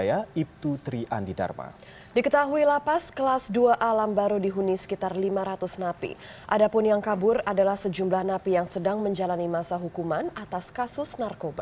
ada pun yang kabur adalah sejumlah napi yang sedang menjalani masa hukuman atas kasus narkoba